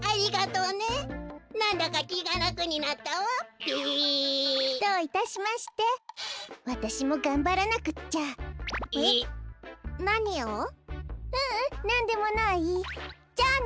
ううんなんでもないじゃあね。